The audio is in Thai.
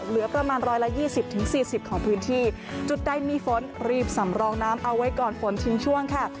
เหลือประมาณร้อยละยี่สิบถึงสี่สิบของพื้นที่จุดใดมีฝนรีบสำรองน้ำเอาไว้ก่อนฝนทิ้งช่วงค่ะ